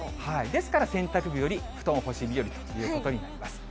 ですから、洗濯日和、布団干し日和ということになります。